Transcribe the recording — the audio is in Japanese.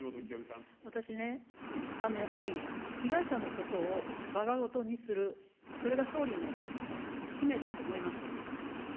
私ね、やっぱり被害者のことをわが事にする、それが総理の使命だと思います。